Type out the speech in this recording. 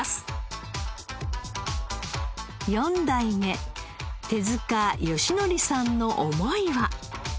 ４代目手塚良則さんの思いは。